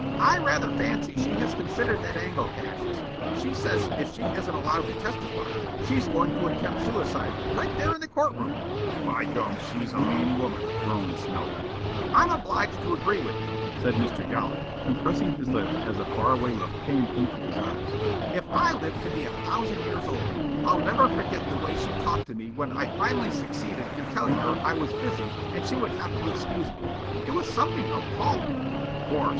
"I rather fancy she has considered that angle, Cassius. She says if she isn't allowed to testify, she's going to attempt suicide right there in the court room." "By gum, she's a mean woman," groaned Smilk. "I'm obliged to agree with you," said Mr. Yollop, compressing his lips as a far away look came into his eyes. "If I live to be a thousand years old, I'll never forget the way she talked to me when I finally succeeded in telling her I was busy and she would have to excuse me. It was something appalling." "Course.